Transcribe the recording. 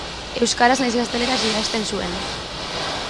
Euskaraz nahiz gazteleraz idazten zuen.